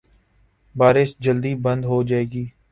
بارش جلدی بند ہو جائے گی۔